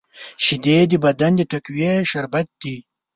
شیدې د بدن د تقویې شربت دی